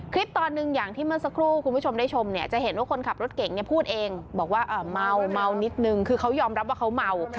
ตอนหนึ่งอย่างที่เมื่อสักครู่คุณผู้ชมได้ชมเนี่ยจะเห็นว่าคนขับรถเก่งเนี่ยพูดเองบอกว่าเมานิดนึงคือเขายอมรับว่าเขาเมา